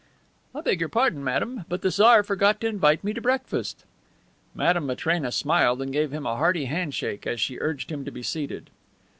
"I beg your pardon, madame, but the Czar forgot to invite me to breakfast." Madame Matrena smiled and gave him a hearty handshake as she urged him to be seated.